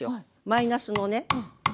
マイナスのね。